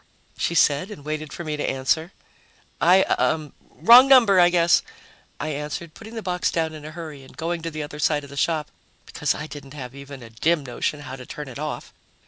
she said, and waited for me to answer. "I uh wrong number, I guess," I answered, putting the box down in a hurry and going to the other side of the shop because I didn't have even a dim notion how to turn it off.